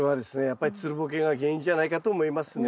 やっぱりつるボケが原因じゃないかと思いますね。